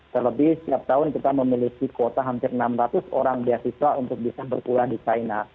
terlebih setiap tahun kita memiliki kuota hampir enam ratus orang beasiswa untuk bisa berkurang di china